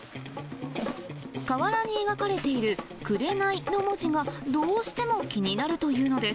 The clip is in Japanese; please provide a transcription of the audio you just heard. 瓦に描かれている紅の文字が、どうしても気になるというのです。